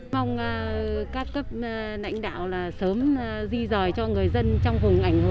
mong các cấp lãnh đạo sớm di rời cho người dân trong vùng ảnh hưởng